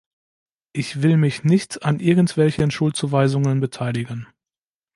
Ich will mich nicht an irgendwelchen Schuldzuweisungen beteiligen.